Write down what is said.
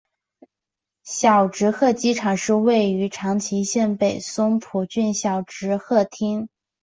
小值贺机场是位于长崎县北松浦郡小值贺町。